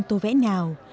tô vẽ nào